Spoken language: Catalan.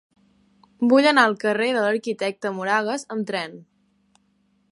Vull anar al carrer de l'Arquitecte Moragas amb tren.